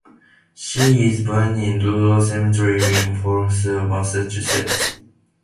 She is buried in Rural Cemetery in Worcester, Massachusetts.